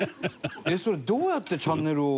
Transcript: それ、どうやってチャンネルを。